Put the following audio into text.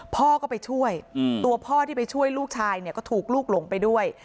พ่อก็ไปช่วยตัวพ่อที่ไปช่วยลูกชายเนี่ยก็ถูกลูกหลงไปด้วย